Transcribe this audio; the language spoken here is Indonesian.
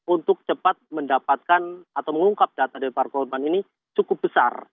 untuk cepat mendapatkan atau mengungkap data dari para korban ini cukup besar